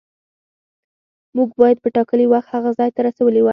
موږ باید په ټاکلي وخت هغه ځای ته رسولي وای.